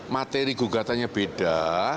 materi gugatannya beda